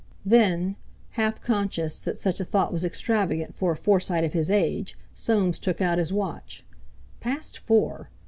Then, half conscious that such a thought was extravagant for a Forsyte of his age, Soames took out his watch. Past four!